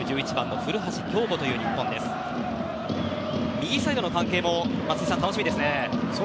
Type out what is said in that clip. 右サイドの関係も松井さん、楽しみですね。